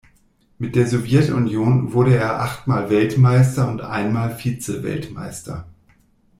Mit der Sowjetunion wurde er achtmal Weltmeister und einmal Vize-Weltmeister.